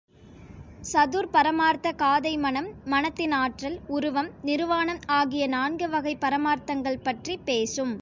சதுர் பரமார்த்த காதை மனம், மனத்தின் ஆற்றல், உருவம், நிருவாணம் ஆகிய நான்கு வகைப் பரமார்த்தங்கள் பற்றிப் பேசும்.